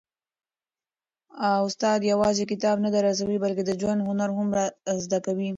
استاد یوازي کتاب نه درسوي، بلکي د ژوند هنر هم را زده کوي.